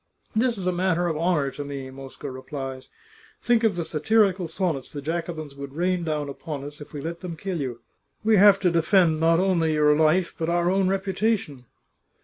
' This is a matter of honour to me,' Mosca replies. * Think of the satirical sonnets the Jacobins would rain down upon us if we let them kill you ! We have to defend not only your life, but our own reputation.'